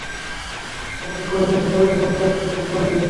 ও এই কলেজের সকলের জন্য প্রজেক্ট করে দেয়।